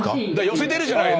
寄せてるじゃない。